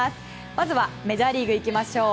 まずはメジャーリーグいきましょう。